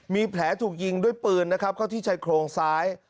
มีแผลถูกยิงด้วยปืนนะครับเข้าที่ชายโครงซ้าย